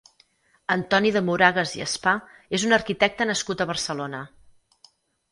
Antoni de Moragas i Spà és un arquitecte nascut a Barcelona.